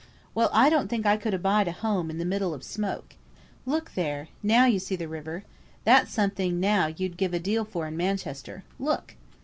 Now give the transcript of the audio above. "Well, I don't think I could abide a home in the middle of smoke. Look there! now you see the river! That's something now you'd give a deal for in Manchester. Look!"